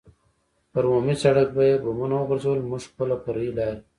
پر عمومي سړک به یې بمونه وغورځول، موږ خپله فرعي لارې.